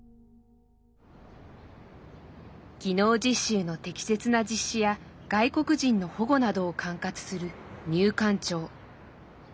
技能実習の適切な実施や外国人の保護などを管轄する入管庁。